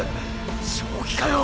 正気かよ